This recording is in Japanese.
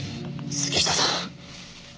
杉下さん。